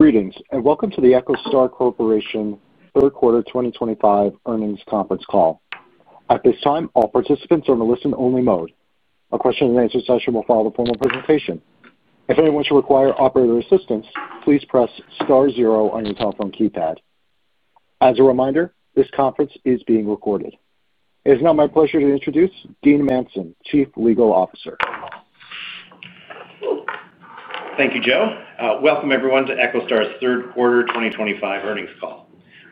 Greetings and welcome to the EchoStar Corporation Third Quarter 2025 Earnings Conference Call. At this time, all participants are in a listen-only mode. A question-and-answer session will follow the formal presentation. If anyone should require operator assistance, please press star zero on your telephone keypad. As a reminder, this conference is being recorded. It is now my pleasure to introduce Dean Manson, Chief Legal Officer. Thank you, Joe. Welcome, everyone, to EchoStar's Third Quarter 2025 Earnings Call.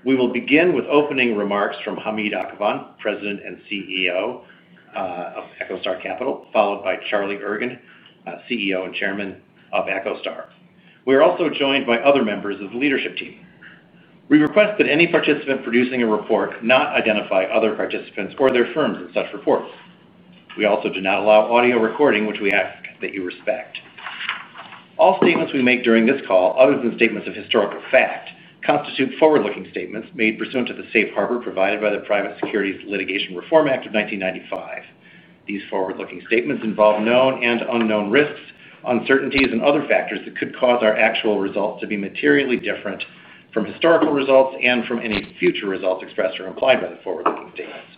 We will begin with opening remarks from Hamid Akhavan, President and CEO of EchoStar Capital, followed by Charlie Ergen, CEO and Chairman of EchoStar. We are also joined by other members of the leadership team. We request that any participant producing a report not identify other participants or their firms in such reports. We also do not allow audio recording, which we ask that you respect. All statements we make during this call, other than statements of historical fact, constitute forward-looking statements made pursuant to the Safe Harbor provided by the Private Securities Litigation Reform Act of 1995. These forward-looking statements involve known and unknown risks, uncertainties, and other factors that could cause our actual results to be materially different from historical results and from any future results expressed or implied by the forward-looking statements.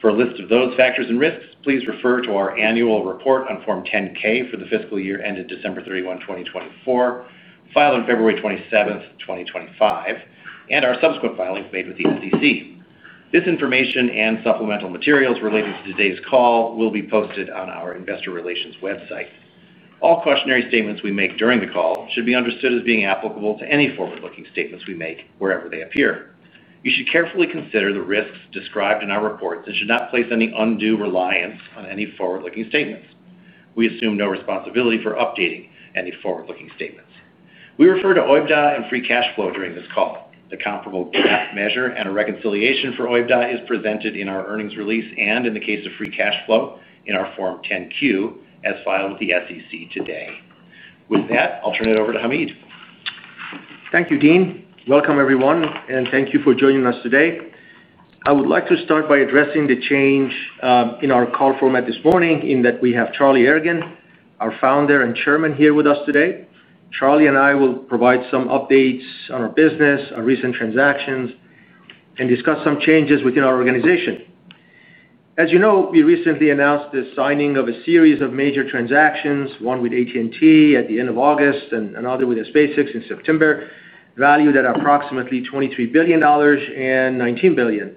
For a list of those factors and risks, please refer to our annual report on Form 10-K for the fiscal year ended December 31, 2024, filed on February 27th, 2025, and our subsequent filings made with the SEC. This information and supplemental materials related to today's call will be posted on our Investor Relations website. All cautionary statements we make during the call should be understood as being applicable to any forward-looking statements we make wherever they appear. You should carefully consider the risks described in our reports and should not place any undue reliance on any forward-looking statements. We assume no responsibility for updating any forward-looking statements. We refer to OIBDA and free cash flow during this call. The comparable GAAP measure and a reconciliation for OIBDA is presented in our earnings release and in the case of free cash flow in our Form 10-Q as filed with the SEC today. With that, I'll turn it over to Hamid. Thank you, Dean. Welcome, everyone, and thank you for joining us today. I would like to start by addressing the change in our call format this morning in that we have Charlie Ergen, our Founder and Chairman, here with us today. Charlie and I will provide some updates on our business, our recent transactions, and discuss some changes within our organization. As you know, we recently announced the signing of a series of major transactions, one with AT&T at the end of August and another with SpaceX in September, valued at approximately $23 billion and $19 billion,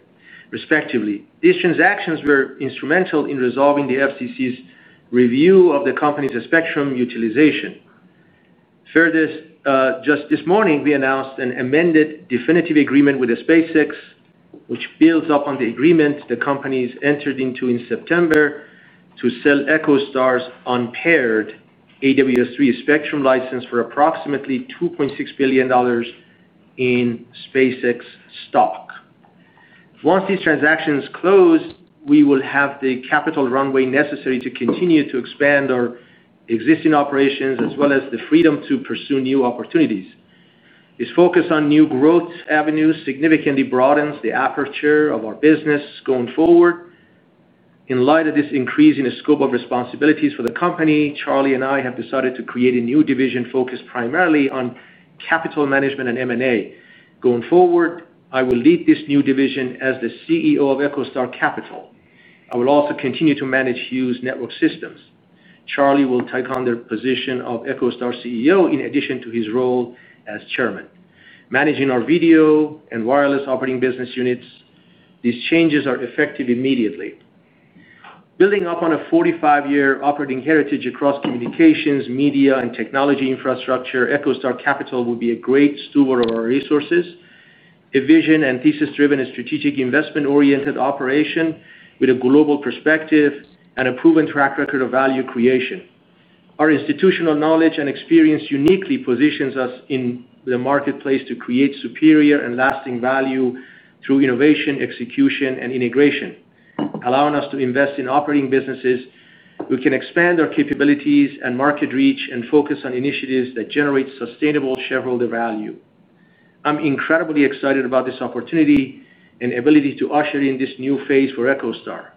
respectively. These transactions were instrumental in resolving the FCC's review of the company's spectrum utilization. Further, just this morning, we announced an amended definitive agreement with SpaceX, which builds upon the agreement the companies entered into in September, to sell EchoStar's unpaired AWS-3 spectrum license for approximately $2.6 billion in SpaceX stock. Once these transactions close, we will have the capital runway necessary to continue to expand our existing operations as well as the freedom to pursue new opportunities. This focus on new growth avenues significantly broadens the aperture of our business going forward. In light of this increase in the scope of responsibilities for the company, Charlie and I have decided to create a new division focused primarily on capital management and M&A. Going forward, I will lead this new division as the CEO of EchoStar Capital. I will also continue to manage Hughes Network Systems. Charlie will take on the position of EchoStar CEO in addition to his role as Chairman. Managing our video and wireless operating business units, these changes are effective immediately. Building up on a 45-year operating heritage across communications, media, and technology infrastructure, EchoStar Capital will be a great steward of our resources, a vision and thesis-driven and strategic investment-oriented operation with a global perspective and a proven track record of value creation. Our institutional knowledge and experience uniquely positions us in the marketplace to create superior and lasting value through innovation, execution, and integration, allowing us to invest in operating businesses who can expand our capabilities and market reach and focus on initiatives that generate sustainable shareholder value. I'm incredibly excited about this opportunity and ability to usher in this new phase for EchoStar.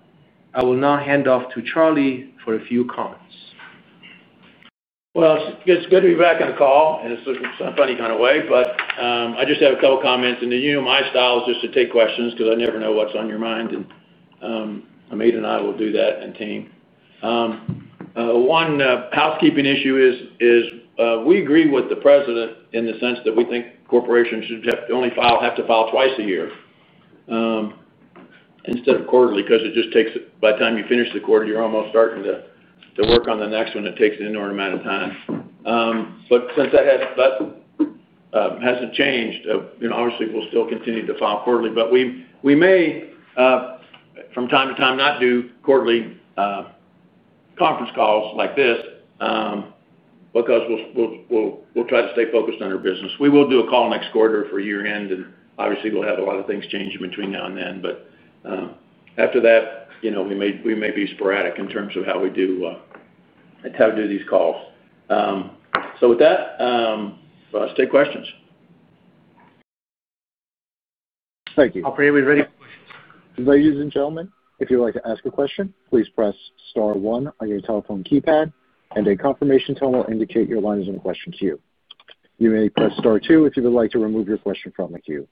I will now hand off to Charlie for a few comments. It is good to be back on the call in a funny kind of way, but I just have a couple of comments. You know my style is just to take questions because I never know what is on your mind. Hamid and I will do that and team. One housekeeping issue is we agree with the President in the sense that we think corporations should only have to file twice a year instead of quarterly, because it just takes by the time you finish the quarter, you are almost starting to work on the next one. It takes an inordinate amount of time. Since that has not changed, obviously, we will still continue to file quarterly. We may from time to time not do quarterly conference calls like this, because we will try to stay focused on our business. We will do a call next quarter for year-end, and obviously, we'll have a lot of things changing between now and then. After that, we may be sporadic in terms of how we do these calls. So with that, let's take questions. Thank you. Operator. Are we ready? Ladies and gentlemen, if you would like to ask a question, please press star one on your telephone keypad, and a confirmation tone will indicate your line is in question to you. You may press star two if you would like to remove your question from the queue.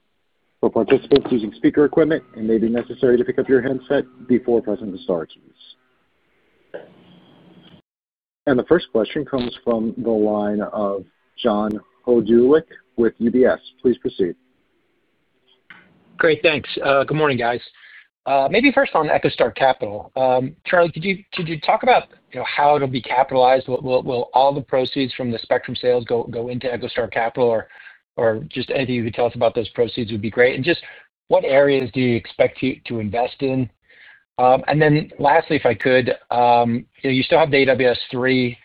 For participants using speaker equipment, it may be necessary to pick up your headset before pressing the star keys. The first question comes from the line of John Hodulik with UBS. Please proceed. Great. Thanks. Good morning, guys. Maybe first on EchoStar Capital. Charlie, could you talk about how it'll be capitalized? Will all the proceeds from the spectrum sales go into EchoStar Capital? Or just anything you could tell us about those proceeds would be great. Just what areas do you expect to invest in? Lastly, if I could, you still have the AWS-3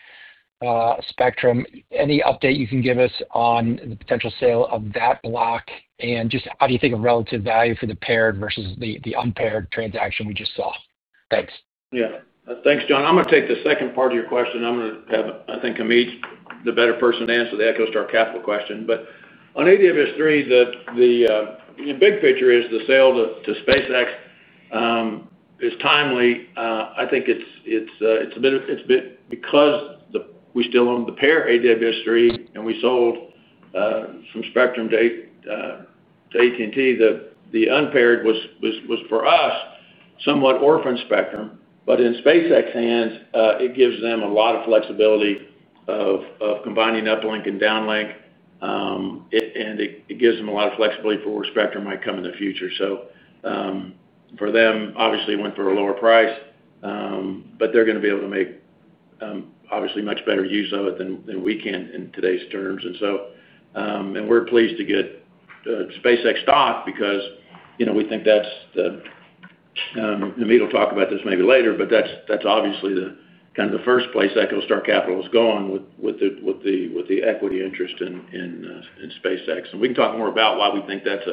spectrum. Any update you can give us on the potential sale of that block? Just how do you think of relative value for the paired versus the unpaired transaction we just saw? Thanks. Yeah. Thanks, John. I'm going to take the second part of your question. I'm going to have, I think, Hamid the better person to answer the EchoStar Capital question. On AWS-3, the big picture is the sale to SpaceX is timely. I think it's a bit because we still own the paired AWS-3, and we sold some spectrum to AT&T. The unpaired was, for us, somewhat orphaned spectrum. In SpaceX's hands, it gives them a lot of flexibility of combining uplink and downlink. It gives them a lot of flexibility for where spectrum might come in the future. For them, obviously, it went for a lower price. They're going to be able to make, obviously, much better use of it than we can in today's terms. We're pleased to get SpaceX stock because we think that's the. Hamid will talk about this maybe later, but that's obviously kind of the first place EchoStar Capital is going with the equity interest in SpaceX. We can talk more about why we think that's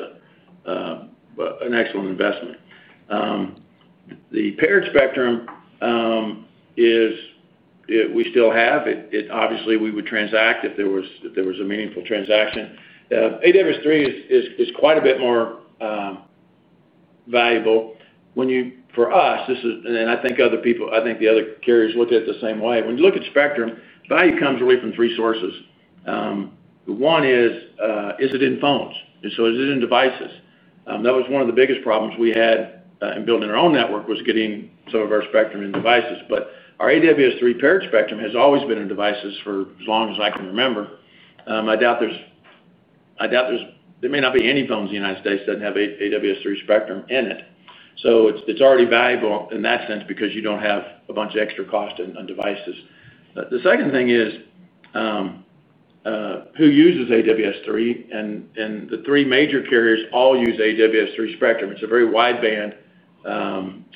an excellent investment. The paired spectrum we still have. Obviously, we would transact if there was a meaningful transaction. AWS-3 is quite a bit more valuable for us, and I think other people, I think the other carriers look at it the same way. When you look at spectrum, value comes really from three sources. One is, is it in phones? And so is it in devices? That was one of the biggest problems we had in building our own network was getting some of our spectrum in devices. Our AWS-3 paired spectrum has always been in devices for as long as I can remember. I doubt there's. There may not be any phones in the United States that have AWS-3 spectrum in it. It is already valuable in that sense because you do not have a bunch of extra cost on devices. The second thing is, who uses AWS-3? The three major carriers all use AWS-3 spectrum. It is a very wide band,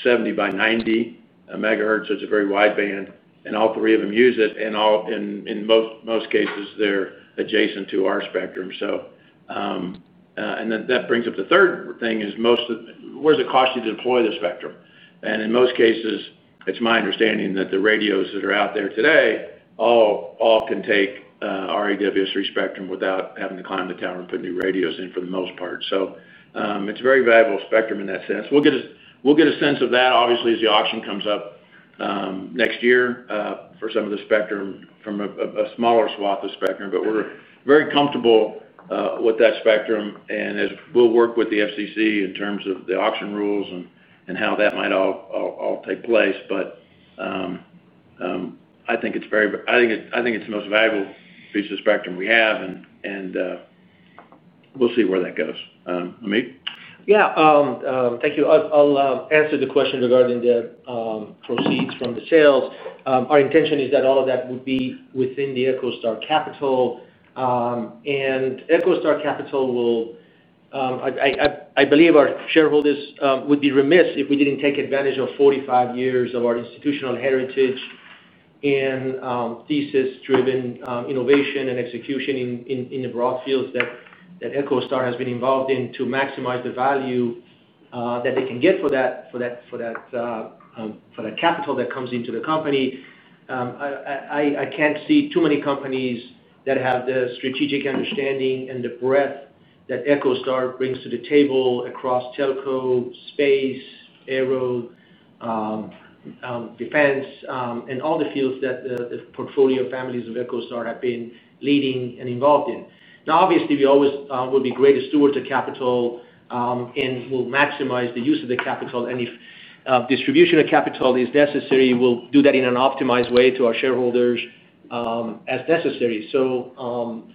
70 by 90 MHz. It is a very wide band, and all three of them use it. In most cases, they are adjacent to our spectrum. That brings up the third thing, which is, where does it cost you to deploy the spectrum? In most cases, it is my understanding that the radios that are out there today all can take our AWS-3 spectrum without having to climb the tower and put new radios in for the most part. It is a very valuable spectrum in that sense. We'll get a sense of that, obviously, as the auction comes up next year for some of the spectrum from a smaller swath of spectrum. We're very comfortable with that spectrum, and we'll work with the FCC in terms of the auction rules and how that might all take place. I think it's very, I think it's the most valuable piece of spectrum we have. We'll see where that goes. Hamid? Yeah. Thank you. I'll answer the question regarding the proceeds from the sales. Our intention is that all of that would be within the EchoStar Capital. EchoStar Capital will. I believe our shareholders would be remiss if we didn't take advantage of 45 years of our institutional heritage and thesis-driven innovation and execution in the broad fields that EchoStar has been involved in to maximize the value that they can get for that capital that comes into the company. I can't see too many companies that have the strategic understanding and the breadth that EchoStar brings to the table across telco, space, aero, defense, and all the fields that the portfolio families of EchoStar have been leading and involved in. Now, obviously, we always will be great stewards of capital and we'll maximize the use of the capital. If distribution of capital is necessary, we'll do that in an optimized way to our shareholders as necessary. The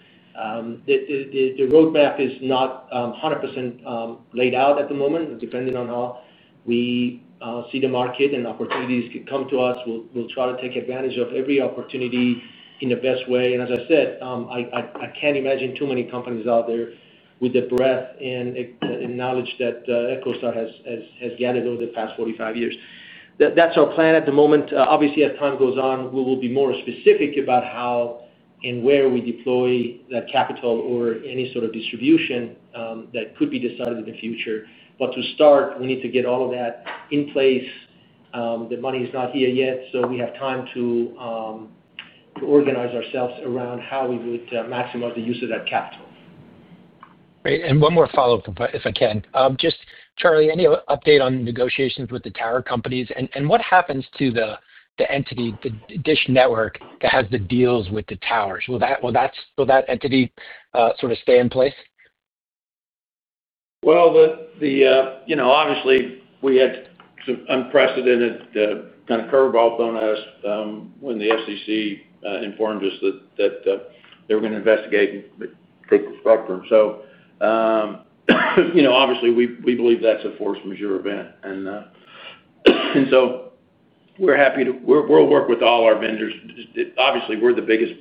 roadmap is not 100% laid out at the moment. Depending on how we see the market and opportunities that come to us, we'll try to take advantage of every opportunity in the best way. As I said, I can't imagine too many companies out there with the breadth and knowledge that EchoStar has gathered over the past 45 years. That's our plan at the moment. Obviously, as time goes on, we will be more specific about how and where we deploy that capital or any sort of distribution that could be decided in the future. To start, we need to get all of that in place. The money is not here yet, so we have time to. Organize ourselves around how we would maximize the use of that capital. One more follow-up, if I can. Just, Charlie, any update on negotiations with the tower companies? What happens to the entity, the DISH Network that has the deals with the towers? Will that entity sort of stay in place? Obviously, we had some unprecedented kind of curveball thrown at us when the SEC informed us that they were going to investigate and take the spectrum. Obviously, we believe that's a force majeure event. We are happy to work with all our vendors. Obviously, we're the biggest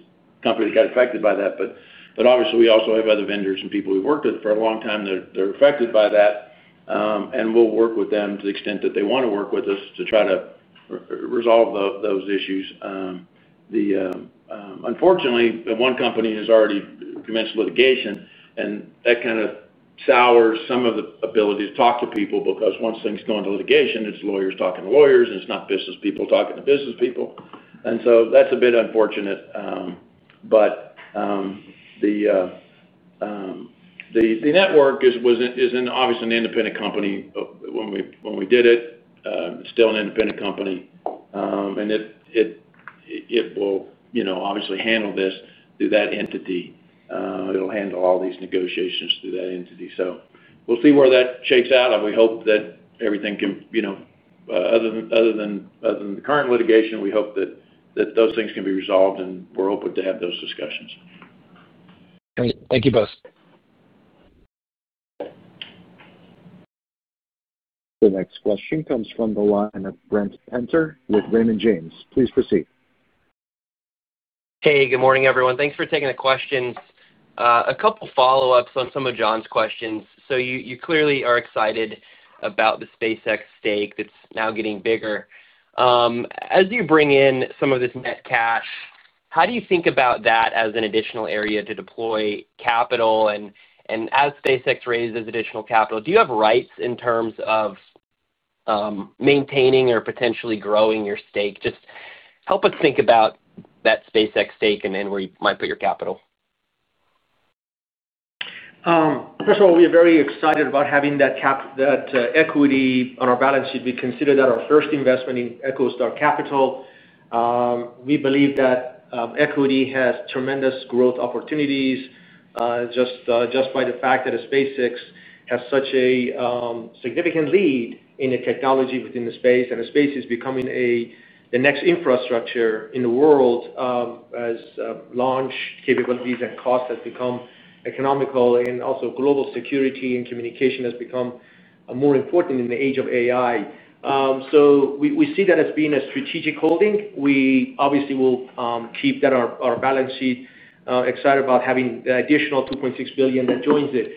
company that got affected by that. We also have other vendors and people we've worked with for a long time that are affected by that. We'll work with them to the extent that they want to work with us to try to resolve those issues. Unfortunately, one company has already commenced litigation. That kind of sours some of the ability to talk to people because once things go into litigation, it's lawyers talking to lawyers, and it's not business people talking to business people. That's a bit unfortunate. The. Network is obviously an independent company when we did it. It's still an independent company. It will obviously handle this through that entity. It'll handle all these negotiations through that entity. We'll see where that shakes out. We hope that everything can, other than the current litigation, we hope that those things can be resolved. We're open to have those discussions. Great. Thank you both. The next question comes from the line of Brent Penter with Raymond James. Please proceed. Hey, good morning, everyone. Thanks for taking the questions. A couple of follow-ups on some of John's questions. You clearly are excited about the SpaceX stake that's now getting bigger. As you bring in some of this net cash, how do you think about that as an additional area to deploy capital? As SpaceX raises additional capital, do you have rights in terms of maintaining or potentially growing your stake? Just help us think about that SpaceX stake and where you might put your capital. First of all, we are very excited about having that equity on our balance sheet. We consider that our first investment in EchoStar Capital. We believe that Equity has tremendous growth opportunities just by the fact that SpaceX has such a significant lead in the technology within the space. The space is becoming the next infrastructure in the world as launch capabilities and costs have become economical. Also, global security and communication has become more important in the age of AI. We see that as being a strategic holding. We obviously will keep that on our balance sheet. Excited about having the additional $2.6 billion that joins it.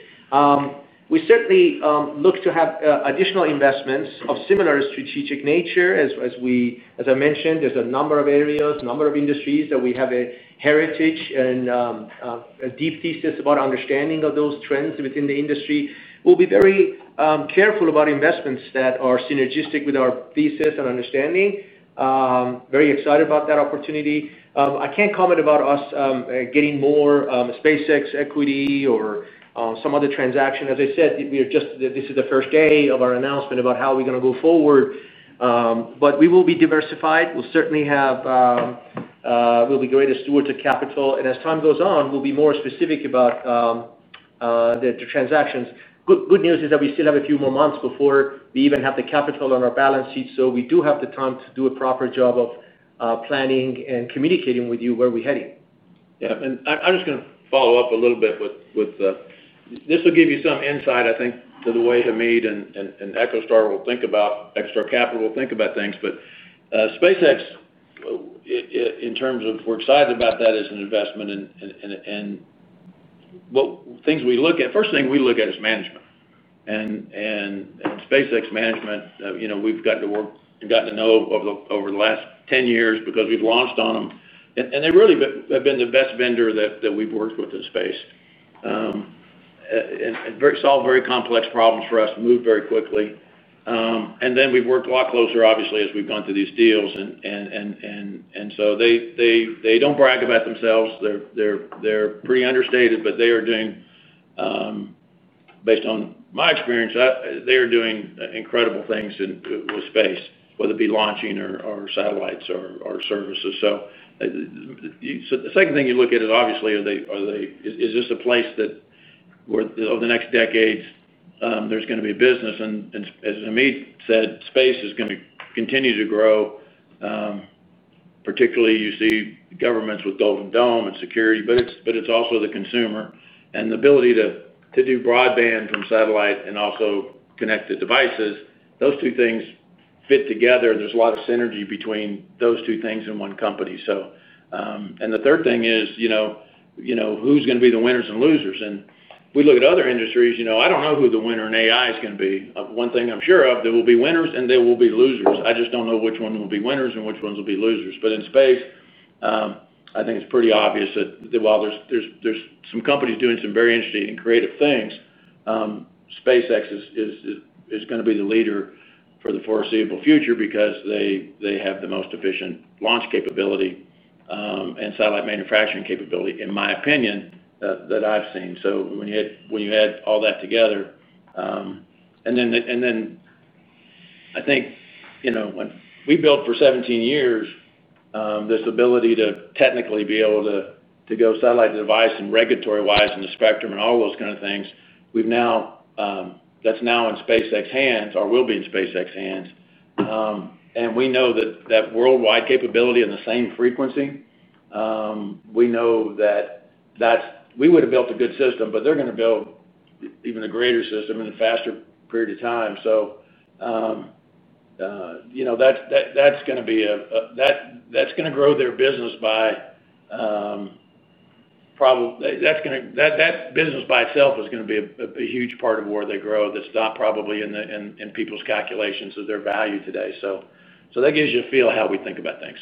We certainly look to have additional investments of similar strategic nature. As I mentioned, there's a number of areas, a number of industries that we have a heritage in. A deep thesis about understanding of those trends within the industry. We'll be very careful about investments that are synergistic with our thesis and understanding. Very excited about that opportunity. I can't comment about us getting more SpaceX equity or some other transaction. As I said, this is the first day of our announcement about how we're going to go forward. We will be diversified. We'll certainly have. We'll be great stewards of capital. As time goes on, we'll be more specific about the transactions. Good news is that we still have a few more months before we even have the capital on our balance sheet. We do have the time to do a proper job of planning and communicating with you where we're heading. Yeah. I'm just going to follow up a little bit with this. This will give you some insight, I think, to the way Hamid and EchoStar will think about extra capital will think about things. SpaceX, in terms of we're excited about that as an investment. What things we look at, first thing we look at is management. SpaceX management, we've gotten to work and gotten to know over the last 10 years because we've launched on them. They really have been the best vendor that we've worked with in space and solve very complex problems for us, move very quickly. We've worked a lot closer, obviously, as we've gone through these deals. They don't brag about themselves. They're pretty understated, but they are doing. Based on my experience, they are doing incredible things with space, whether it be launching or satellites or services. The second thing you look at is, obviously, is this a place that over the next decades there's going to be business? As Hamid said, space is going to continue to grow. Particularly you see governments with Golden Dome and security. It is also the consumer. The ability to do broadband from satellite and also connected devices, those two things fit together. There is a lot of synergy between those two things in one company. The third thing is, who is going to be the winners and losers? We look at other industries. I do not know who the winner in AI is going to be. One thing I am sure of, there will be winners and there will be losers. I just don't know which ones will be winners and which ones will be losers. In space, I think it's pretty obvious that while there's some companies doing some very interesting and creative things, SpaceX is going to be the leader for the foreseeable future because they have the most efficient launch capability and satellite manufacturing capability, in my opinion, that I've seen. When you add all that together, and then, I think, when we built for 17 years this ability to technically be able to go satellite device and regulatory-wise in the spectrum and all those kind of things, that's now in SpaceX hands or will be in SpaceX hands. We know that worldwide capability in the same frequency. We know that we would have built a good system, but they're going to build even a greater system in a faster period of time. That's going to grow their business by. Probably that business by itself is going to be a huge part of where they grow that's not probably in people's calculations of their value today. That gives you a feel of how we think about things.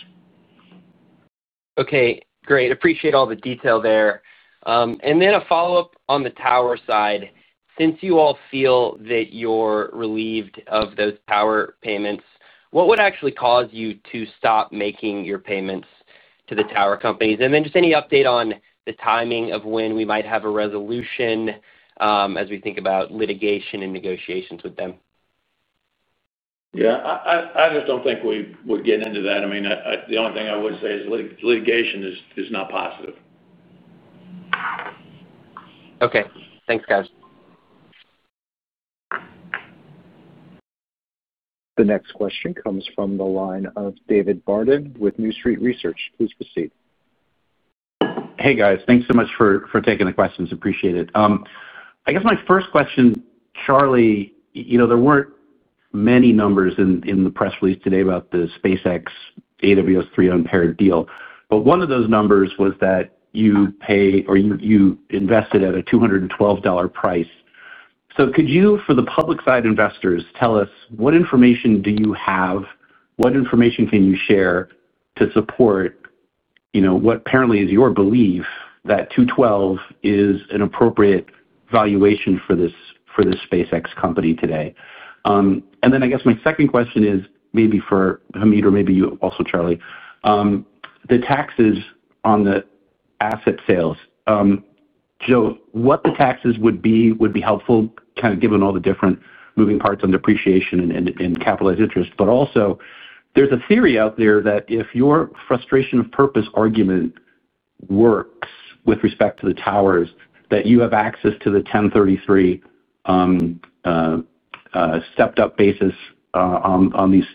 Okay. Great. Appreciate all the detail there. Then a follow-up on the tower side. Since you all feel that you're relieved of those tower payments, what would actually cause you to stop making your payments to the tower companies? Just any update on the timing of when we might have a resolution as we think about litigation and negotiations with them? Yeah. I just don't think we would get into that. I mean, the only thing I would say is litigation is not positive. Okay. Thanks, guys. The next question comes from the line of David Barden with New Street Research. Please proceed. Hey, guys. Thanks so much for taking the questions. Appreciate it. I guess my first question, Charlie, there were not many numbers in the press release today about the SpaceX AWS-3 unpaired deal. One of those numbers was that you pay or you invested at a $212 price. Could you, for the public-side investors, tell us what information you have? What information can you share to support what apparently is your belief that $212 is an appropriate valuation for this SpaceX company today? I guess my second question is maybe for Hamid or maybe you also, Charlie. The taxes on the asset sales. What the taxes would be would be helpful, kind of given all the different moving parts on depreciation and capitalized interest. Also, there is a theory out there that if your frustration of purpose argument. Works with respect to the towers, that you have access to the 1033. Stepped-up basis on these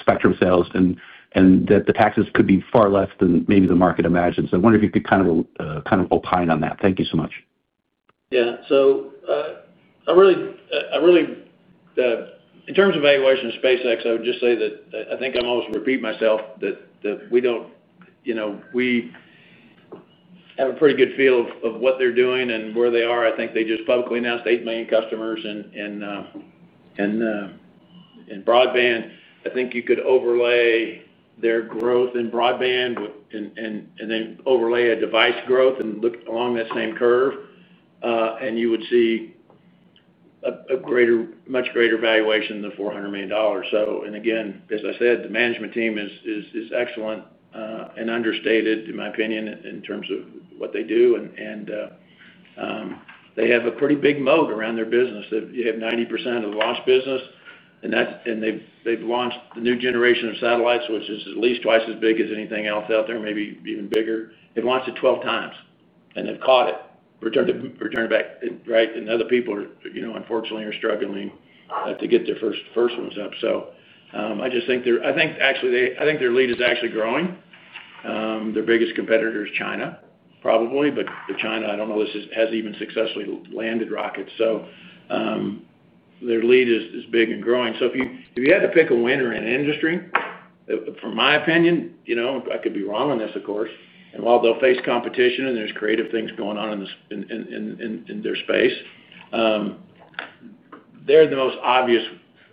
spectrum sales and that the taxes could be far less than maybe the market imagines. I wonder if you could kind of opine on that. Thank you so much. Yeah. In terms of valuation of SpaceX, I would just say that I think I'm almost repeating myself, that we don't have a pretty good feel of what they're doing and where they are. I think they just publicly announced 8 million customers in broadband. I think you could overlay their growth in broadband and then overlay a device growth and look along that same curve. You would see a much greater valuation than $400 million. Again, as I said, the management team is excellent and understated, in my opinion, in terms of what they do. They have a pretty big moat around their business. You have 90% of the launch business. They've launched the new generation of satellites, which is at least twice as big as anything else out there, maybe even bigger. They've launched it 12x. They've caught it, returned it back. Other people, unfortunately, are struggling to get their first ones up. I just think their lead is actually growing. Their biggest competitor is China, probably. China, I do not know if this has even successfully landed rockets. Their lead is big and growing. If you had to pick a winner in an industry, from my opinion, I could be wrong on this, of course. While they'll face competition and there are creative things going on in their space, they're the most obvious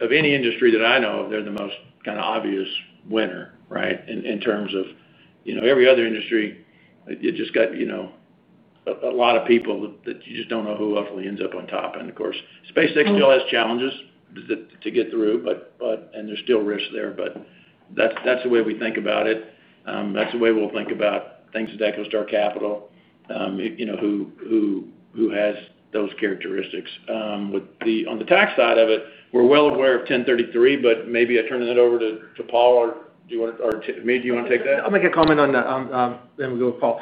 of any industry that I know of. They're the most kind of obvious winner, right, in terms of every other industry. You just have a lot of people that you just do not know who ultimately ends up on top. Of course, SpaceX still has challenges to get through. There are still risks there. That is the way we think about it. That is the way we will think about things with EchoStar Capital. Who has those characteristics. On the tax side of it, we are well aware of 1033. Maybe I turn it over to Paul or Hamid. Do you want to take that? I'll make a comment on that. Then we'll go with Paul.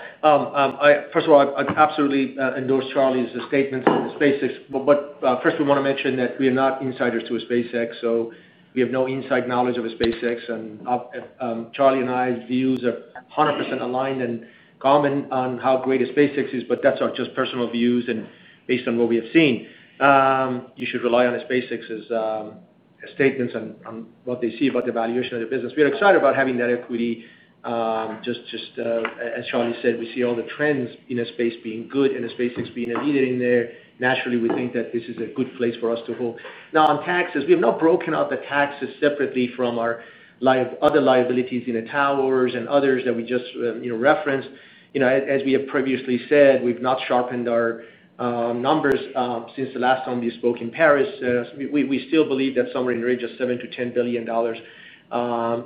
First of all, I absolutely endorse Charlie's statements on SpaceX. First, we want to mention that we are not insiders to SpaceX. We have no inside knowledge of SpaceX. Charlie and my views are 100% aligned and common on how great SpaceX is. That's just our personal views and based on what we have seen. You should rely on SpaceX's statements on what they see about the valuation of the business. We are excited about having that equity. Just as Charlie said, we see all the trends in space being good and SpaceX being a leader in there. Naturally, we think that this is a good place for us to hold. Now, on taxes, we have not broken out the taxes separately from our other liabilities in the towers and others that we just referenced. As we have previously said, we've not sharpened our numbers since the last time we spoke in Paris. We still believe that somewhere in the range of $7 billion-$10 billion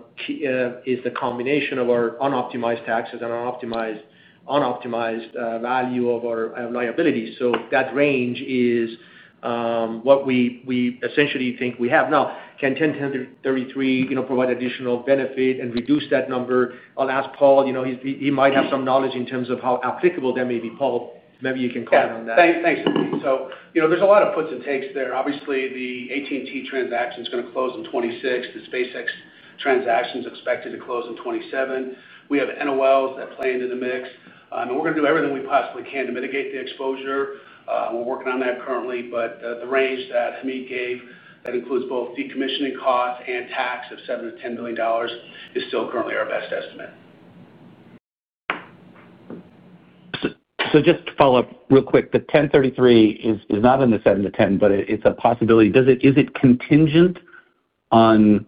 is the combination of our unoptimized taxes and unoptimized value of our liabilities. So that range is what we essentially think we have. Now, can 1033 provide additional benefit and reduce that number? I'll ask Paul. He might have some knowledge in terms of how applicable that may be. Paul, maybe you can comment on that. Yeah. Thanks, Hamid. There is a lot of puts and takes there. Obviously, the AT&T transaction is going to close in 2026. The SpaceX transaction is expected to close in 2027. We have NOLs that play into the mix. We are going to do everything we possibly can to mitigate the exposure. We are working on that currently. The range that Hamid gave that includes both decommissioning costs and tax of $7 billion-$10 billion is still currently our best estimate. Just to follow-up real quick, the 1033 is not in the $7 billion-$10 billion, but it's a possibility. Is it contingent on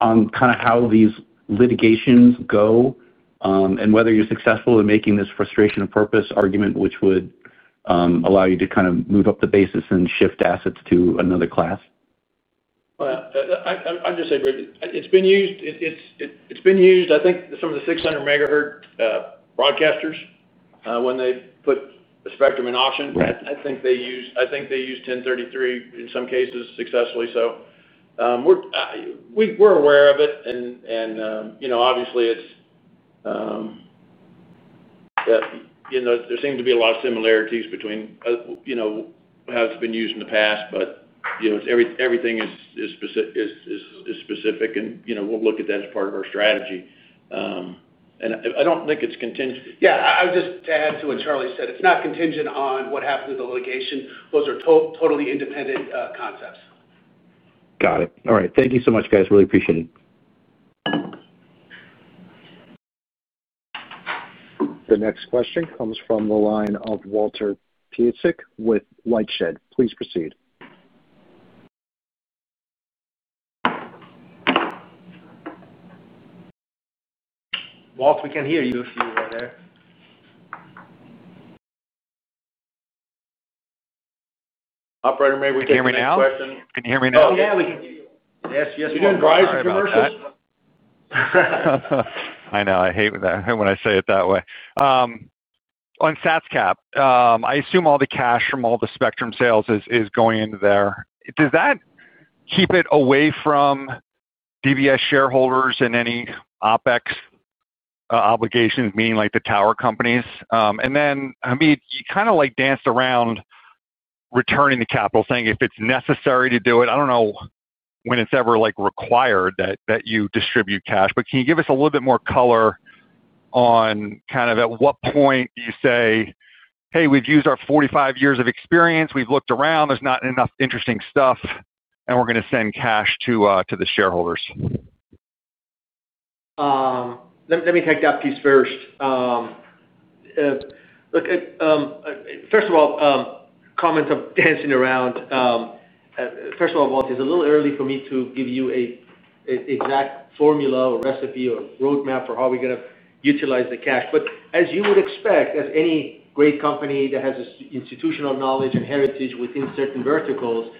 kind of how these litigations go, and whether you're successful in making this frustration of purpose argument, which would allow you to kind of move up the basis and shift assets to another class? I'm just. It's been used. It's been used, I think, some of the 600 MHz broadcasters when they put a spectrum in auction. I think they use 1033 in some cases successfully. We're aware of it. Obviously, there seem to be a lot of similarities between how it's been used in the past. Everything is specific, and we'll look at that as part of our strategy. I don't think it's contingent. Yeah, I was just to add to what Charlie said. It's not contingent on what happened with the litigation. Those are totally independent concepts. Got it. All right. Thank you so much, guys. Really appreciate it. The next question comes from the line of Walter Piecyk with LightShed. Please proceed. Walt, we can hear you if you are there. Operator, may we take this question? Can you hear me now? Oh, yeah. We can hear you. Yes, yes, Walt. You didn't buy us a commercial? I know. I hate when I say it that way. On SATS cap, I assume all the cash from all the spectrum sales is going into there. Does that keep it away from DBS shareholders and any OpEx obligations, meaning like the tower companies? Hamid, you kind of danced around returning the capital, saying if it's necessary to do it. I do not know when it's ever required that you distribute cash. Can you give us a little bit more color on kind of at what point you say, "Hey, we've used our 45 years of experience. We've looked around. There's not enough interesting stuff. And we're going to send cash to the shareholders"? Let me take that piece first. First of all, comments of dancing around. First of all, Walt, it's a little early for me to give you an exact formula or recipe or roadmap for how we're going to utilize the cash. As you would expect, as any great company that has institutional knowledge and heritage within certain verticals,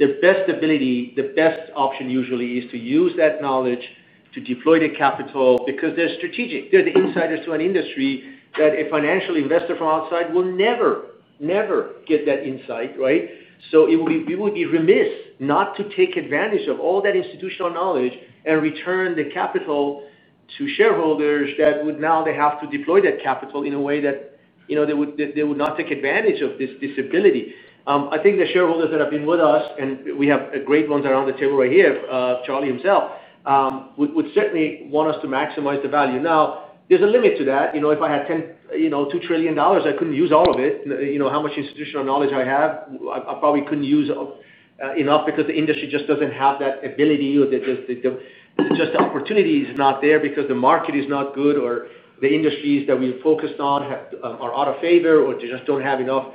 their best ability, the best option usually is to use that knowledge to deploy the capital because they're strategic. They're the insiders to an industry that a financial investor from outside will never, never get that insight, right? We would be remiss not to take advantage of all that institutional knowledge and return the capital to shareholders that would now have to deploy that capital in a way that they would not take advantage of this ability. I think the shareholders that have been with us, and we have great ones around the table right here, Charlie himself, would certainly want us to maximize the value. Now, there's a limit to that. If I had $2 trillion, I couldn't use all of it. How much institutional knowledge I have, I probably couldn't use enough because the industry just doesn't have that ability or just the opportunity is not there because the market is not good or the industries that we're focused on are out of favor or just don't have enough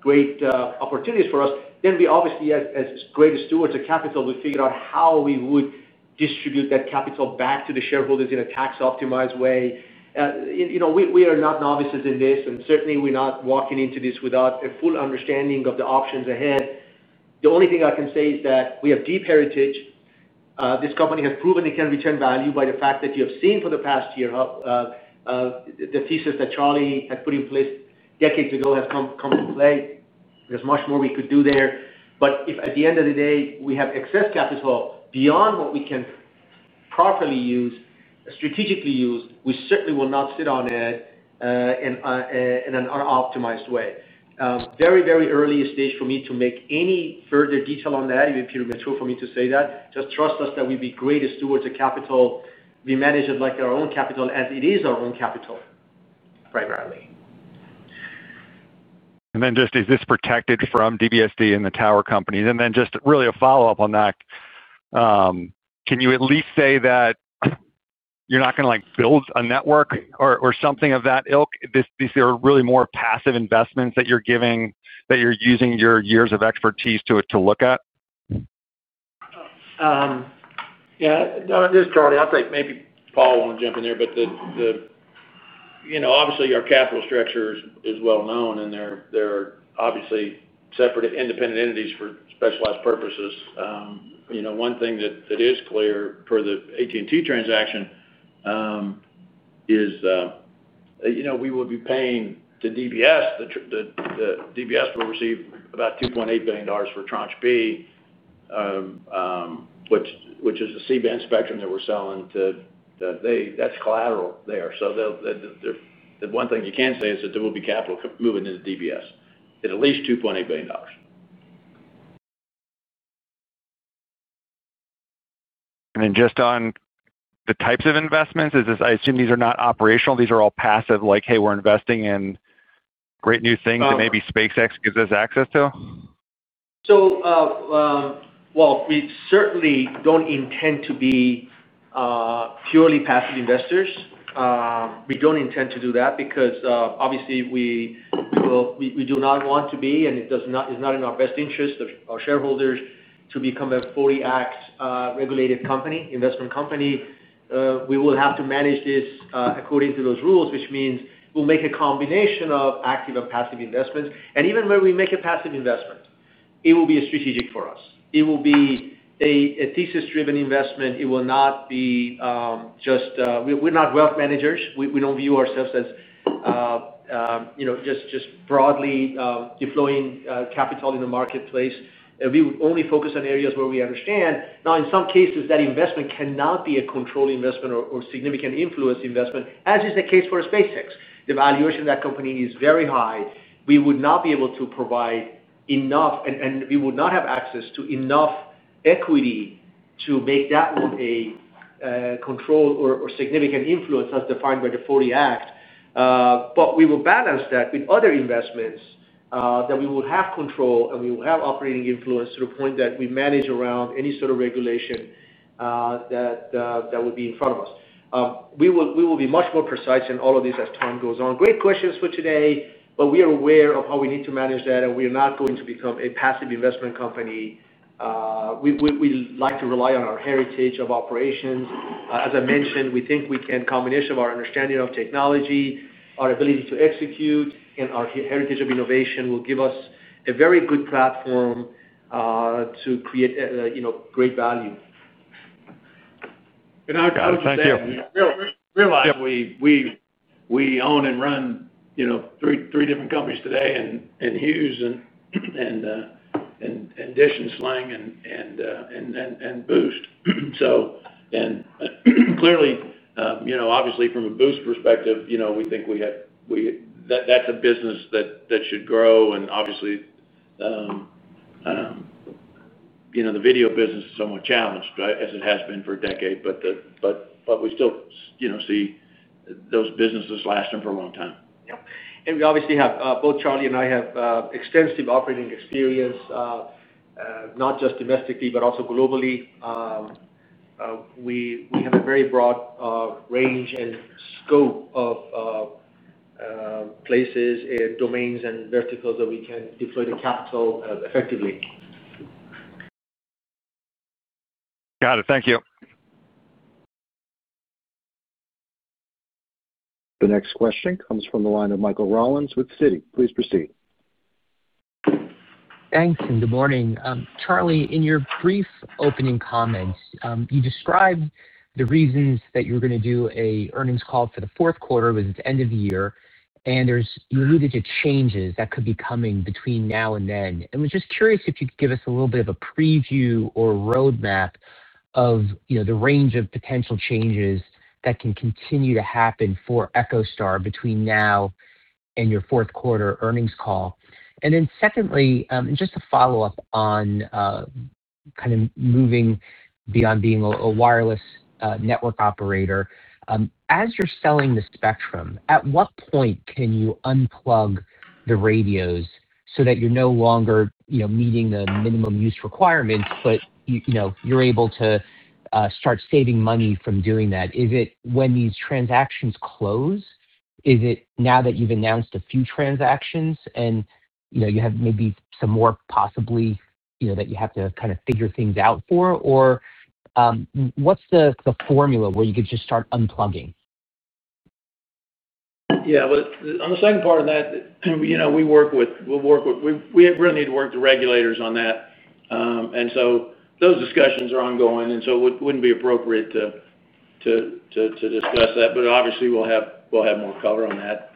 great opportunities for us. We obviously, as great stewards of capital, figured out how we would distribute that capital back to the shareholders in a tax-optimized way. We are not novices in this. We are not walking into this without a full understanding of the options ahead. The only thing I can say is that we have deep heritage. This company has proven it can return value by the fact that you have seen for the past year. The thesis that Charlie had put in place decades ago has come to play. There is much more we could do there. If at the end of the day, we have excess capital beyond what we can properly use, strategically use, we certainly will not sit on it in an unoptimized way. Very, very early stage for me to make any further detail on that. It would be premature for me to say that. Just trust us that we would be great stewards of capital. We manage it like our own capital as it is our own capital. Primarily. Is this protected from DBSD and the tower companies? Just really a follow-up on that. Can you at least say that you're not going to build a network or something of that ilk? These are really more passive investments that you're using your years of expertise to look at? Yeah. Just Charlie. I think maybe Paul will jump in there. Obviously, our capital structure is well known. They are obviously separate independent entities for specialized purposes. One thing that is clear for the AT&T transaction is we will be paying to DBS. The DBS will receive about $2.8 billion for Tranche B, which is the C-band spectrum that we are selling to. That is collateral there. The one thing you can say is that there will be capital moving into DBS, at least $2.8 billion. Just on the types of investments, I assume these are not operational. These are all passive, like, "Hey, we're investing in great new things that maybe SpaceX gives us access to"? We certainly do not intend to be purely passive investors. We do not intend to do that because obviously we do not want to be, and it is not in the best interest of our shareholders to become a fully act regulated investment company. We will have to manage this according to those rules, which means we will make a combination of active and passive investments. Even when we make a passive investment, it will be strategic for us. It will be a thesis-driven investment. It will not be just, we are not wealth managers. We do not view ourselves as just broadly deploying capital in the marketplace. We would only focus on areas where we understand. In some cases, that investment cannot be a controlled investment or significant influence investment, as is the case for SpaceX. The valuation of that company is very high. We would not be able to provide enough, and we would not have access to enough equity to make that one a controlled or significant influence as defined by the 40 Act. We will balance that with other investments that we will have control and we will have operating influence to the point that we manage around any sort of regulation that would be in front of us. We will be much more precise in all of this as time goes on. Great questions for today. We are aware of how we need to manage that. We are not going to become a passive investment company. We like to rely on our heritage of operations. As I mentioned, we think we can combine our understanding of technology, our ability to execute, and our heritage of innovation will give us a very good platform to create great value. I would just say. Thank you. Realize we own and run three different companies today, and Hughes and DISH and Sling and Boost. Clearly, obviously from a Boost perspective, we think that's a business that should grow. Obviously, the video business is somewhat challenged as it has been for a decade. We still see those businesses lasting for a long time. Yep. We obviously have, both Charlie and I have extensive operating experience, not just domestically, but also globally. We have a very broad range and scope of places and domains and verticals that we can deploy the capital effectively. Got it. Thank you. The next question comes from the line of Michael Rollins with Citi. Please proceed. Thanks. And good morning. Charlie, in your brief opening comments, you described the reasons that you're going to do an earnings call for the fourth quarter with its end of the year. There's immediate changes that could be coming between now and then. We're just curious if you could give us a little bit of a preview or roadmap of the range of potential changes that can continue to happen for EchoStar between now and your fourth quarter earnings call. Secondly, just to follow-up on kind of moving beyond being a wireless network operator. As you're selling the spectrum, at what point can you unplug the radios so that you're no longer meeting the minimum use requirements, but you're able to start saving money from doing that? Is it when these transactions close? Is it now that you've announced a few transactions and you have maybe some more possibly that you have to kind of figure things out for? What's the formula where you could just start unplugging? Yeah. On the second part of that, we work with. We'll work with. We really need to work with the regulators on that. Those discussions are ongoing. It wouldn't be appropriate to discuss that. Obviously, we'll have more cover on that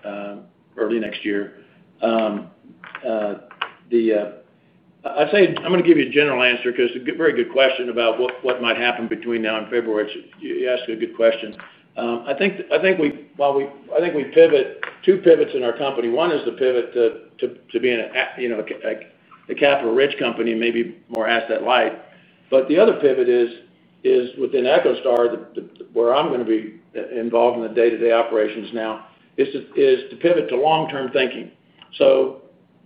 early next year. I'm going to give you a general answer because it's a very good question about what might happen between now and February. You asked a good question. I think we pivot two pivots in our company. One is the pivot to be a capital-rich company, maybe more asset-light. The other pivot is within EchoStar, where I'm going to be involved in the day-to-day operations now, is to pivot to long-term thinking.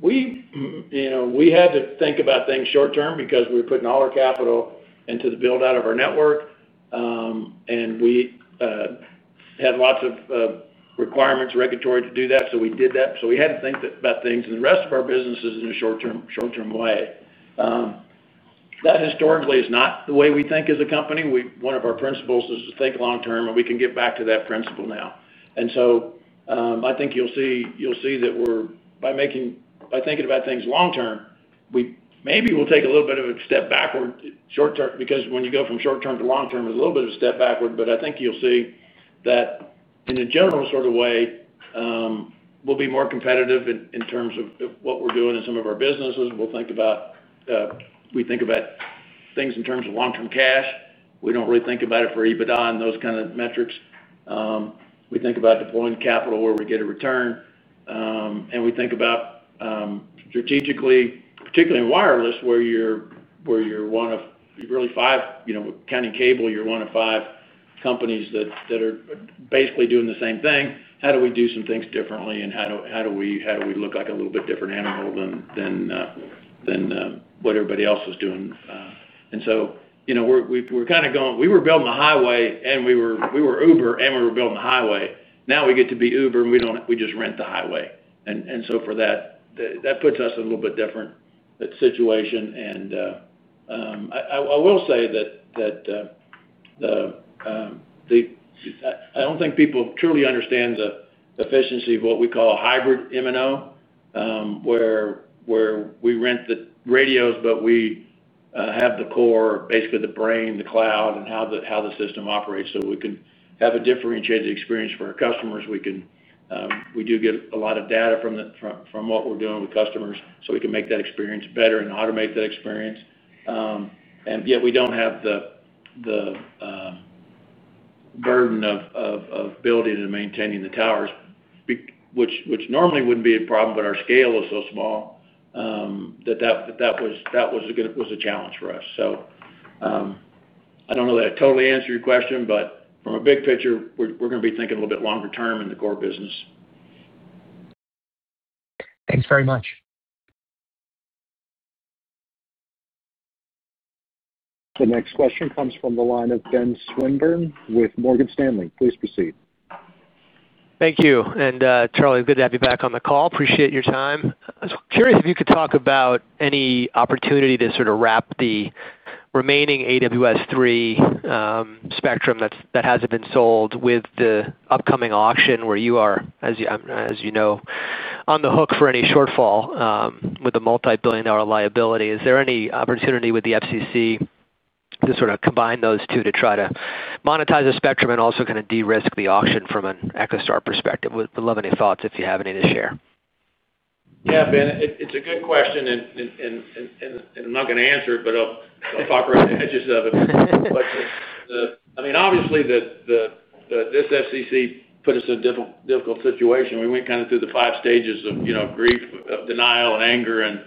We had to think about things short-term because we were putting all our capital into the build-out of our network. And we. Had lots of requirements regulatory to do that. We did that. We had to think about things in the rest of our businesses in a short-term way. That historically is not the way we think as a company. One of our principles is to think long-term. We can get back to that principle now. I think you'll see that by making, by thinking about things long-term, we maybe will take a little bit of a step backward short-term because when you go from short-term to long-term, it's a little bit of a step backward. I think you'll see that. In a general sort of way, we'll be more competitive in terms of what we're doing in some of our businesses. We think about things in terms of long-term cash. We do not really think about it for EBITDA and those kind of metrics. We think about deploying capital where we get a return. We think about, strategically, particularly in wireless, where you are one of, really five counting cable, you are one of five companies that are basically doing the same thing. How do we do some things differently? How do we look like a little bit different animal than what everybody else is doing? We are kind of going, we were building the highway, and we were Uber, and we were building the highway. Now we get to be Uber, and we just rent the highway. For that, that puts us in a little bit different situation. I will say that I do not think people truly understand the efficiency of what we call a hybrid MNO. Where we rent the radios, but we have the core, basically the brain, the cloud, and how the system operates. We can have a differentiated experience for our customers. We do get a lot of data from what we are doing with customers. We can make that experience better and automate that experience. Yet we do not have the burden of building and maintaining the towers, which normally would not be a problem. Our scale is so small that that was a challenge for us. I do not know that I totally answered your question, but from a big picture, we are going to be thinking a little bit longer term in the core business. Thanks very much. The next question comes from the line of Ben Swinburne with Morgan Stanley. Please proceed. Thank you. Charlie, it's good to have you back on the call. Appreciate your time. I was curious if you could talk about any opportunity to sort of wrap the remaining AWS-3 spectrum that hasn't been sold with the upcoming auction where you are, as you know, on the hook for any shortfall with a multi-billion dollar liability. Is there any opportunity with the FCC to sort of combine those two to try to monetize the spectrum and also kind of de-risk the auction from an EchoStar perspective? We'd love any thoughts if you have any to share. Yeah, Ben, it's a good question. I'm not going to answer it, but I'll talk around the edges of it. I mean, obviously, this FCC put us in a difficult situation. We went kind of through the five stages of grief, denial, anger, and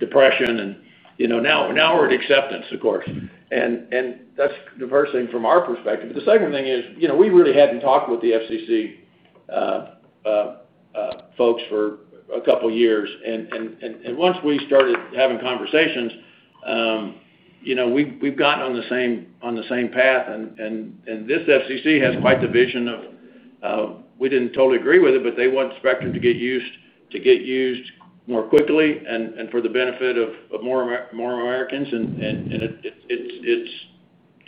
depression. Now we're at acceptance, of course. That's the first thing from our perspective. The second thing is we really hadn't talked with the FCC folks for a couple of years. Once we started having conversations, we've gotten on the same path. This FCC has quite the vision. We didn't totally agree with it, but they want spectrum to get used more quickly and for the benefit of more Americans.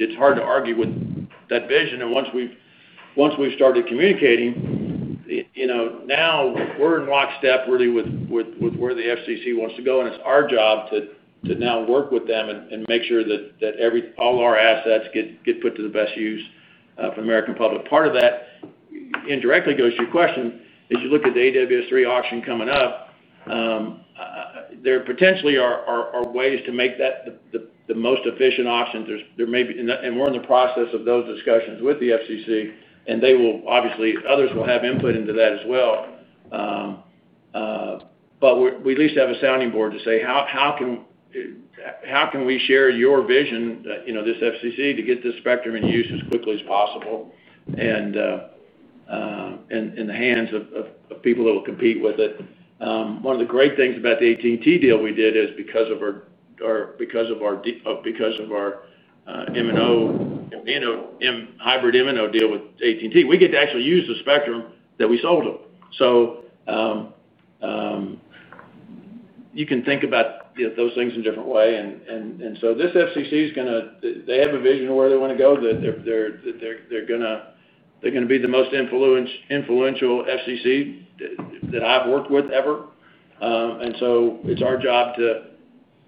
It's hard to argue with that vision. Once we've started communicating, now we're in lockstep really with where the FCC wants to go. It is our job to now work with them and make sure that all our assets get put to the best use for the American public. Part of that indirectly goes to your question, as you look at the AWS-3 auction coming up. There potentially are ways to make that the most efficient option. We are in the process of those discussions with the FCC. They will obviously, others will have input into that as well. We at least have a sounding board to say, how can we share your vision, this FCC, to get this spectrum in use as quickly as possible and in the hands of people that will compete with it? One of the great things about the AT&T deal we did is because of our MNO hybrid MNO deal with AT&T, we get to actually use the spectrum that we sold them. You. Can think about those things in a different way. This FCC is going to, they have a vision of where they want to go. They're going to be the most influential FCC that I've worked with ever. It's our job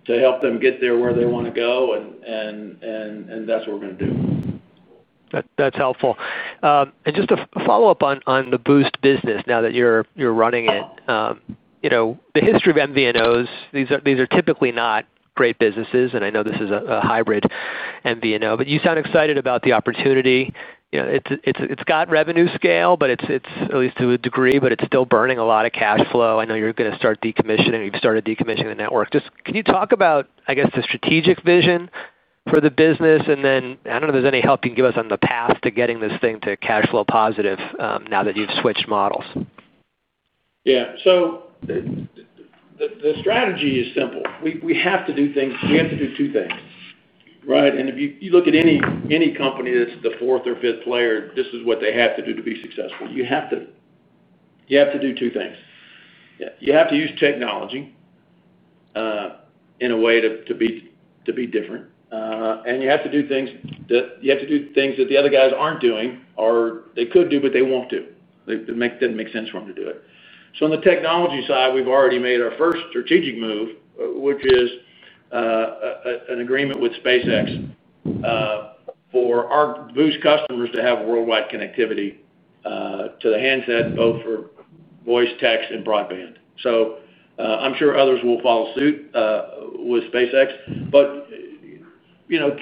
to help them get there, where they want to go. That's what we're going to do. That's helpful. Just a follow-up on the Boost business now that you're running it. The history of MVNOs, these are typically not great businesses. I know this is a hybrid MVNO. You sound excited about the opportunity. It's got revenue scale, at least to a degree, but it's still burning a lot of cash flow. I know you're going to start decommissioning. You've started decommissioning the network. Just can you talk about, I guess, the strategic vision for the business? I don't know if there's any help you can give us on the path to getting this thing to cash flow positive now that you've switched models. Yeah. The strategy is simple. We have to do two things. Right? If you look at any company that's the fourth or fifth player, this is what they have to do to be successful. You have to do two things. You have to use technology in a way to be different. You have to do things that the other guys aren't doing or they could do, but they won't do. It doesn't make sense for them to do it. On the technology side, we've already made our first strategic move, which is an agreement with SpaceX for our Boost customers to have worldwide connectivity to the handset, both for voice, text, and broadband. I'm sure others will follow suit with SpaceX.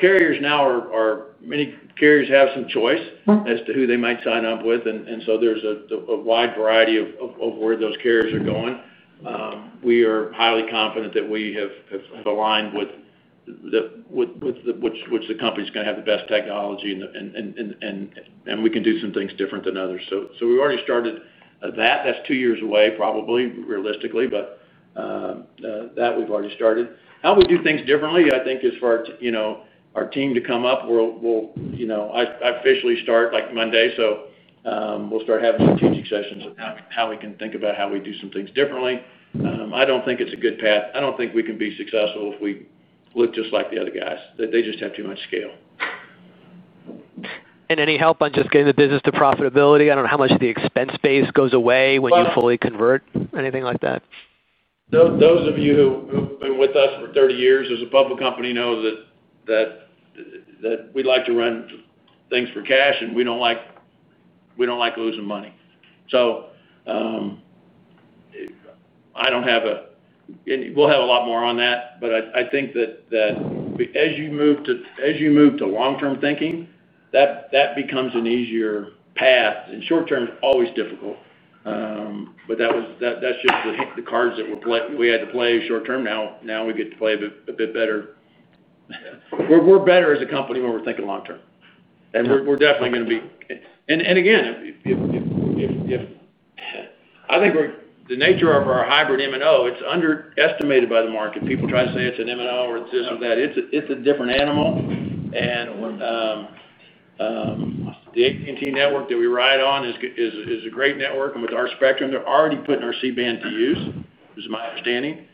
Carriers now are, many carriers have some choice as to who they might sign up with. There is a wide variety of where those carriers are going. We are highly confident that we have aligned with which the company is going to have the best technology. We can do some things different than others. We have already started that. That is two years away, probably, realistically. We have already started. How we do things differently, I think, is for our team to come up. We will officially start like Monday. We will start having strategic sessions of how we can think about how we do some things differently. I do not think it is a good path. I do not think we can be successful if we look just like the other guys. They just have too much scale. Any help on just getting the business to profitability? I do not know how much the expense base goes away when you fully convert. Anything like that? Those of you who have been with us for 30 years as a public company know that. We'd like to run things for cash, and we don't like losing money. I don't have a—we'll have a lot more on that. I think that as you move to long-term thinking, that becomes an easier path. Short-term is always difficult. That's just the cards that we had to play short-term. Now we get to play a bit better. We're better as a company when we're thinking long-term. We're definitely going to be—and again, I think the nature of our hybrid MNO, it's underestimated by the market. People try to say it's an MNO or this or that. It's a different animal. The AT&T network that we ride on is a great network. With our spectrum, they're already putting our C-band to use, is my understanding,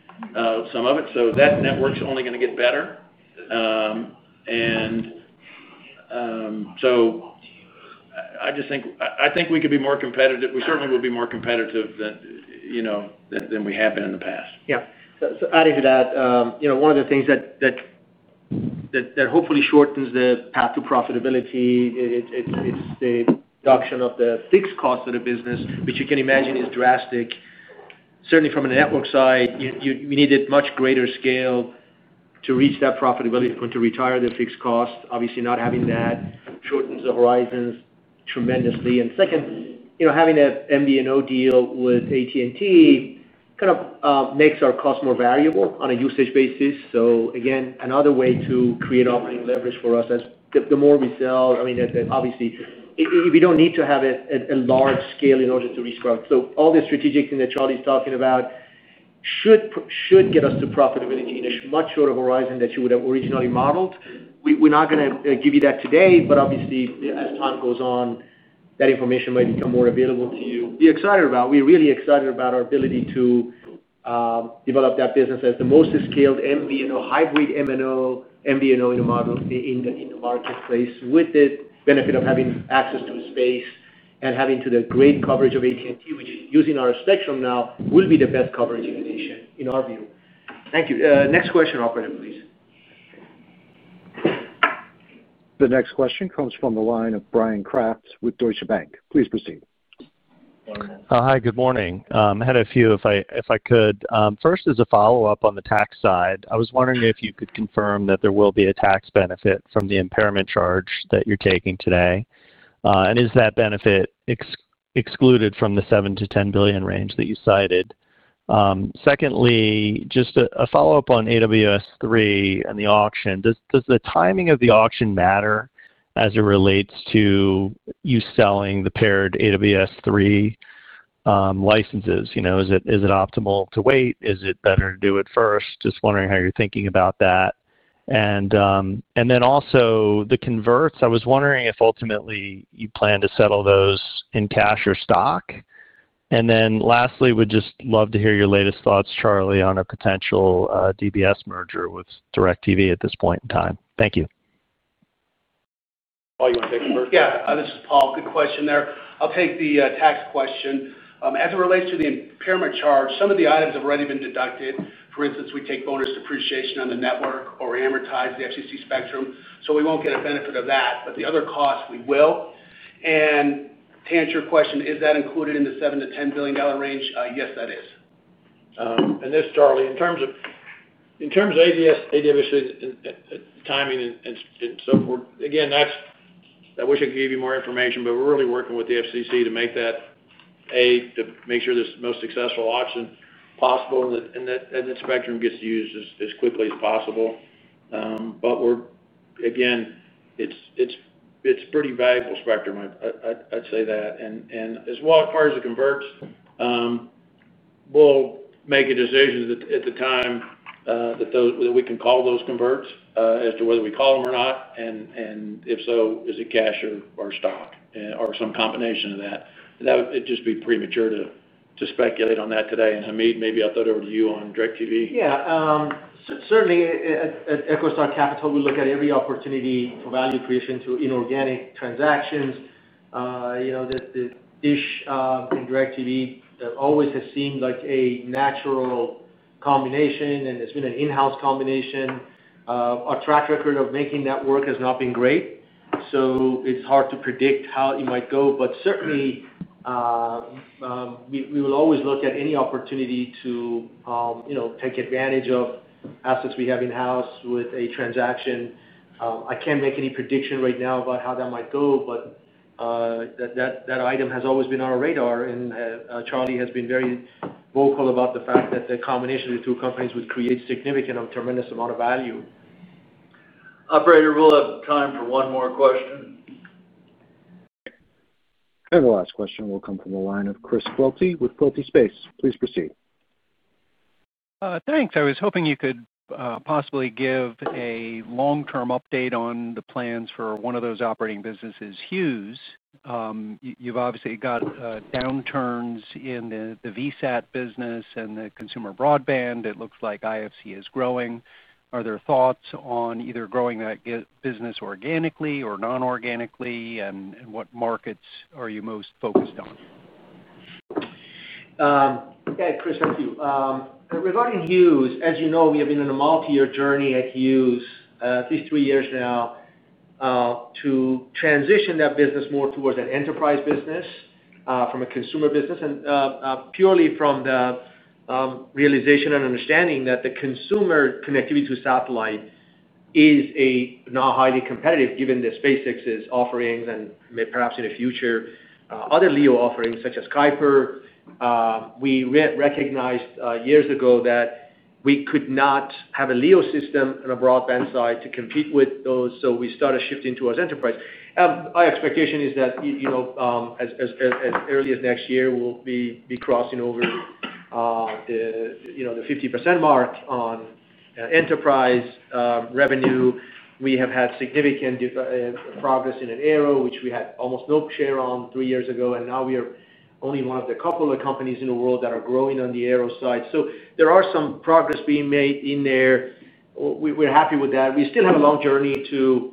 some of it. That network's only going to get better. I just think we could be more competitive. We certainly will be more competitive than we have been in the past. Yeah. Adding to that, one of the things that hopefully shortens the path to profitability is the reduction of the fixed cost of the business, which you can imagine is drastic. Certainly from a network side, you needed much greater scale to reach that profitability when to retire the fixed cost. Obviously, not having that shortens the horizons tremendously. Second, having an MVNO deal with AT&T kind of makes our cost more valuable on a usage basis. Again, another way to create operating leverage for us as the more we sell. I mean, obviously, we do not need to have a large scale in order to rescribe. All the strategic thing that Charlie's talking about should get us to profitability in a much shorter horizon than you would have originally modeled. We are not going to give you that today. Obviously, as time goes on, that information might become more available to you. Be excited about. We're really excited about our ability to develop that business as the most scaled MVNO, hybrid MNO, MVNO model in the marketplace with the benefit of having access to space and having the great coverage of AT&T, which is using our spectrum now, will be the best coverage in our view. Thank you. Next question, operator, please. The next question comes from the line of Bryan Kraft with Deutsche Bank. Please proceed. Hi, good morning. I had a few, if I could. First, as a follow-up on the tax side, I was wondering if you could confirm that there will be a tax benefit from the impairment charge that you're taking today. Is that benefit excluded from the $7 billion-$10 billion range that you cited? Secondly, just a follow-up on AWS-3 and the auction. Does the timing of the auction matter as it relates to you selling the paired AWS-3 licenses? Is it optimal to wait? Is it better to do it first? Just wondering how you're thinking about that. Also, the converts. I was wondering if ultimately you plan to settle those in cash or stock. Lastly, we'd just love to hear your latest thoughts, Charlie, on a potential DBS merger with DIRECTV at this point in time. Thank you. Paul, you want to take the first? Yeah. This is Paul. Good question there. I'll take the tax question. As it relates to the impairment charge, some of the items have already been deducted. For instance, we take bonus depreciation on the network or amortize the FCC spectrum. So we won't get a benefit of that. But the other costs, we will. And to answer your question, is that included in the $7 billion-$10 billion range? Yes, that is. This, Charlie, in terms of AWS timing and so forth, again, I wish I could give you more information, but we're really working with the FCC to make that. A, to make sure this is the most successful auction possible and that spectrum gets used as quickly as possible. Again, it's a pretty valuable spectrum, I'd say that. As far as the converts, we'll make a decision at the time that we can call those converts as to whether we call them or not. If so, is it cash or stock or some combination of that? It'd just be premature to speculate on that today. Hamid, maybe I'll throw it over to you on DIRECTV. Yeah. Certainly at EchoStar Capital, we look at every opportunity for value creation through inorganic transactions. The DISH and DIRECTV always have seemed like a natural combination, and it's been an in-house combination. Our track record of making that work has not been great. It is hard to predict how it might go. Certainly, we will always look at any opportunity to take advantage of assets we have in-house with a transaction. I can't make any prediction right now about how that might go. That item has always been on our radar. Charlie has been very vocal about the fact that the combination of the two companies would create a significant and tremendous amount of value. Operator, we'll have time for one more question. The last question will come from the line of Chris Quilty with Quilty Space. Please proceed. Thanks. I was hoping you could possibly give a long-term update on the plans for one of those operating businesses, Hughes. You've obviously got downturns in the VSAT business and the consumer broadband. It looks like IFC is growing. Are there thoughts on either growing that business organically or non-organically, and what markets are you most focused on? Okay, Chris, thank you. Regarding Hughes, as you know, we have been on a multi-year journey at Hughes at least three years now. To transition that business more towards an enterprise business from a consumer business. Purely from the realization and understanding that the consumer connectivity to satellite is now highly competitive given SpaceX's offerings and perhaps in the future other LEO offerings such as Kuiper. We recognized years ago that we could not have a LEO system on a broadband side to compete with those. We started shifting to our enterprise. Our expectation is that as early as next year, we'll be crossing over the 50% mark on enterprise revenue. We have had significant progress in an aero which we had almost no share on three years ago. We are only one of a couple of companies in the world that are growing on the aero side. There is some progress being made in there. We're happy with that. We still have a long journey to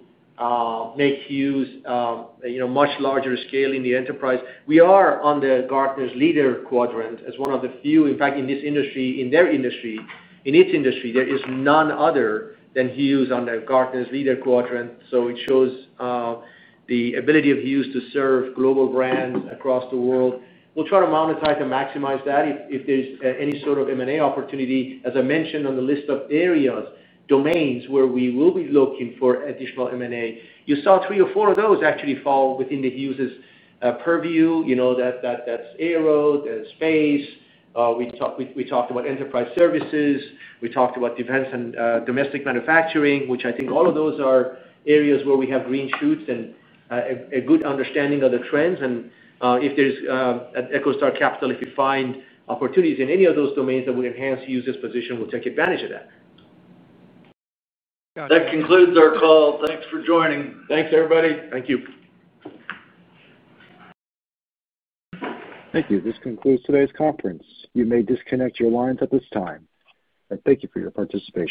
make Hughes much larger scale in the enterprise. We are on Gartner's Leader Quadrant as one of the few, in fact, in this industry. In their industry, in its industry, there is none other than Hughes on Gartner's Leader Quadrant. It shows the ability of Hughes to serve global brands across the world. We'll try to monetize and maximize that if there's any sort of M&A opportunity. As I mentioned on the list of areas, domains where we will be looking for additional M&A, you saw three or four of those actually fall within Hughes's purview. That's arrow, space. We talked about enterprise services. We talked about defense and domestic manufacturing, which I think all of those are areas where we have green shoots and a good understanding of the trends. If there's at EchoStar Capital, if you find opportunities in any of those domains that will enhance Hughes's position, we'll take advantage of that. That concludes our call. Thanks for joining. Thanks, everybody. Thank you. Thank you. This concludes today's conference. You may disconnect your lines at this time. Thank you for your participation.